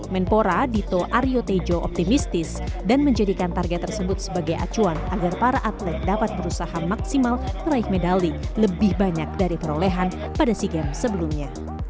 menpora dito aryo tejo optimistis dan menjadikan target tersebut sebagai acuan agar para atlet dapat berusaha maksimal meraih medali lebih banyak dari perolehan pada sea games sebelumnya